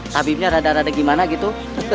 habibnya rada rada gimana gitu